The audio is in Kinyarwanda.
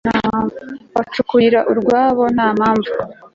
bancukurira urwobo nta mpamvu